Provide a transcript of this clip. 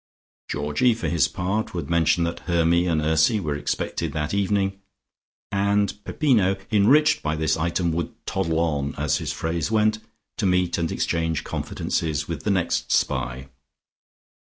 Georgie for his part would mention that Hermy and Ursy were expected that evening, and Peppino enriched by this item would "toddle on," as his phrase went, to meet and exchange confidences with the next spy.